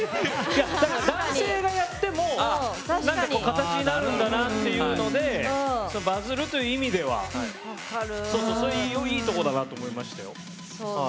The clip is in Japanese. だから、男性がやっても形になるんだなっていうのでバズるという意味ではいいところだと思いましたよ。